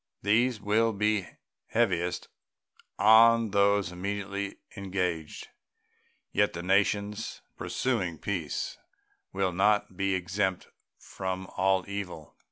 These will be heaviest on those immediately engaged. Yet the nations pursuing peace will not be exempt from all evil.